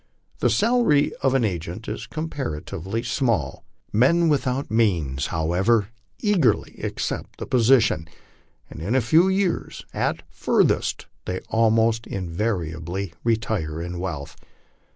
The salary of an agent is comparatively small. Men without means, however, eagerly accept the position ; and in a few years, at furthest, they almost invariably retire in wealth.